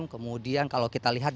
kemudian kalau kita lihat